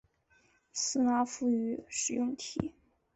斯拉夫语使用体。